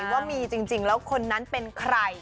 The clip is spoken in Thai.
ว่ามีจริงแล้วคนนั้นเป็นใคร